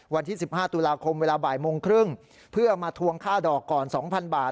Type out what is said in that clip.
วันที่๑๕ตุลาคมเวลาบ่ายโมงครึ่งเพื่อมาทวงค่าดอกก่อน๒๐๐บาท